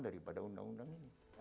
daripada undang undang ini